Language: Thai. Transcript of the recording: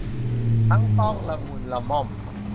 ทั้งต้องละมุนละม่อม